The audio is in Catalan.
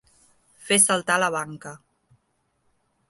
Fer saltar la banca.